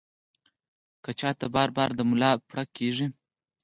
کۀ چاته بار بار د ملا پړق کيږي